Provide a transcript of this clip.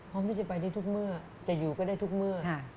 พร้อมที่จะไปได้ทุกเมื่อจะอยู่ก็ได้ทุกเมื่อ